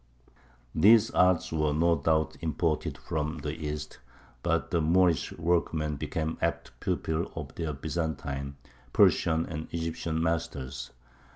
These arts were no doubt imported from the East, but the Moorish workmen became apt pupils of their Byzantine, Persian, and Egyptian masters.